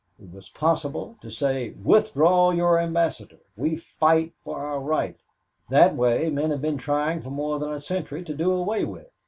It was possible to say, 'Withdraw your ambassador. We fight for our right.' That way men have been trying for more than a century to do away with.